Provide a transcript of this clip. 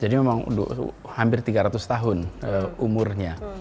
jadi memang hampir tiga ratus tahun umurnya